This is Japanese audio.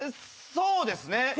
そうですね。